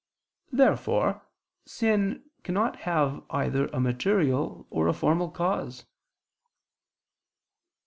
Therefore sin cannot have either a material or a formal cause.